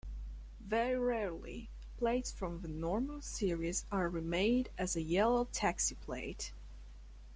Very rarely, plates from the normal series are remade as a yellow taxi plate.